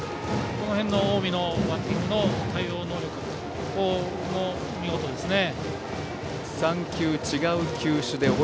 この辺の近江のバッティングの対応能力も見事ですね。